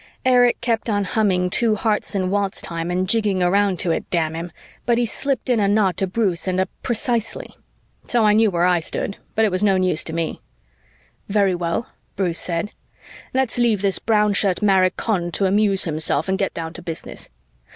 Erich kept on humming "Two Hearts in Waltz Time" and jigging around to it, damn him but he slipped in a nod to Bruce and a "Precisely." So I knew where I stood, but it was no news to me. "Very well," Bruce said, "let's leave this Brown Shirt maricón to amuse himself and get down to business.